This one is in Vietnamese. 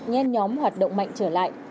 nhen nhóm hoạt động mạnh trở lại